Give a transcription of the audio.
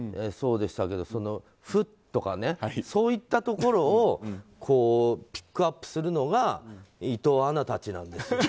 そうでしたけどフッとかね、そういったところをピックアップするのが伊藤アナたちなんですよ。